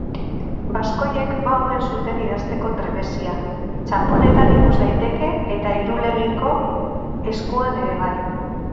Baskoiek ba omen zuten idazteko trebezia; txanponetan ikus daiteke eta Irulegiko eskuan ere bai.